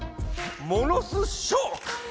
モノすショック！